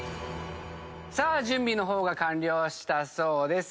さあ準備の方が完了したそうです